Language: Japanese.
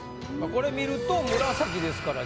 これ見ると紫ですから。